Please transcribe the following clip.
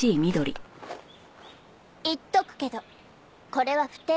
言っとくけどこれは不貞じゃない。